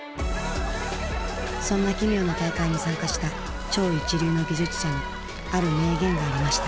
そんな奇妙な大会に参加した超一流の技術者のある名言がありました。